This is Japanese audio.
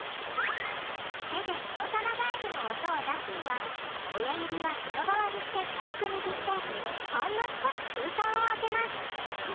手でトノサマガエルの音を出すには親指は外側にして軽くにぎってほんの少し空間を空けます。